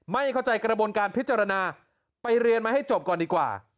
ไม่เข้าใจกระบวนการพิจารณาไปเรียนมาให้จบก่อนดีกว่า